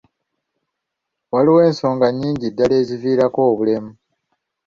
Waliwo ensonga nnyingi ddala eziviirako obulema.